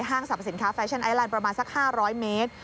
สรรพสินค้าแฟชั่นไอแลนด์ประมาณสัก๕๐๐เมตร